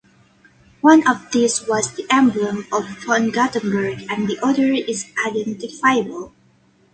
One of these was the emblem of von Guttenberg and the other is unidentifiable.